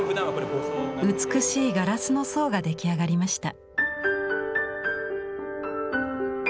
美しいガラスの層が出来上がりました。